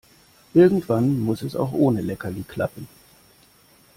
Irgendwann muss es auch ohne Leckerli klappen.